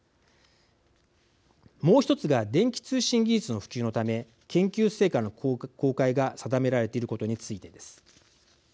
もう一つが電気通信技術の普及のため研究成果の公開が定められていることについてです。